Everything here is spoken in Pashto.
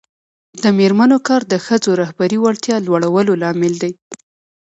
د میرمنو کار د ښځو رهبري وړتیا لوړولو لامل دی.